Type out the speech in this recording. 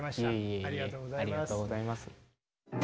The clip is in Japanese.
ありがとうございます。